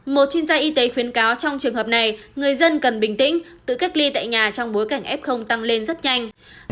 một chuyên gia y tế khuyến cáo trong trường hợp này người dân cần bình tĩnh tự cách ly tại nhà trong bối cảnh f tăng lên rất nhanh